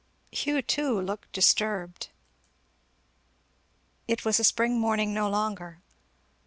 Hugh too looked disturbed. It was a spring morning no longer.